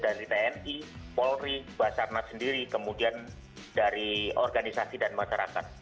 npi polri basarnat sendiri kemudian dari organisasi dan masyarakat